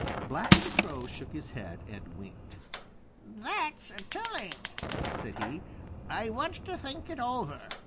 Blacky the Crow shook his head and winked. "That's telling," said he. "I want to think it over.